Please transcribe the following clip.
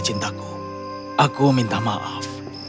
tentangku aku minta maaf